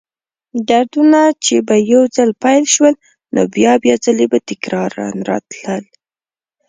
دردونه چې به یو ځل پیل شول، نو بیا بیا ځلې به تکراراً راتلل.